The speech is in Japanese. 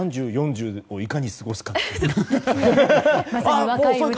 ３０４０をいかに過ごすかという。